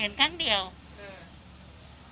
เห็นครั้งเดียวเออ